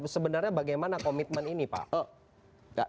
sebenarnya bagaimana komitmen ini pak